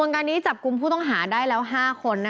การนี้จับกลุ่มผู้ต้องหาได้แล้ว๕คน